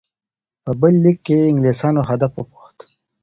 په بل لیک کې یې د انګلیسانو هدف وپوښت.